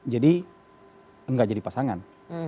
jadi enggak jadi pasangan